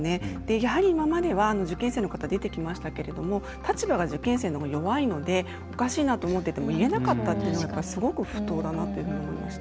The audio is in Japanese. やはり今までは受験生の方出てきましたけども立場が受験生のほうが弱いのでおかしいなと思ってても言えなかったというのがすごく不当だなと思いました。